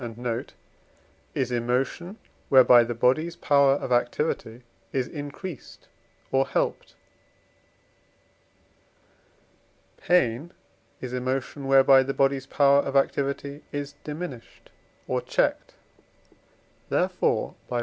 and note) is emotion, whereby the body's power of activity is increased or helped; pain is emotion, whereby the body's power of activity is diminished or checked; therefore (IV.